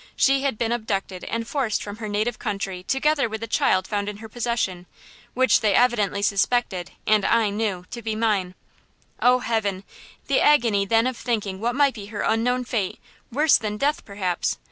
She had been abducted and forced from her native country together with a child found in her possession, which they evidently suspected, and I knew, to be mine. Oh, heaven! the agony then of thinking of what might be her unknown fate, worse than death, perhaps!